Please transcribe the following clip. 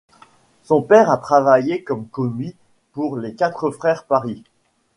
Son père a travaillé comme commis pour les quatre frères Paris.